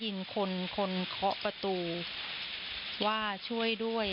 ยิงคนคนเคาะประตูว่าช่วยด้วย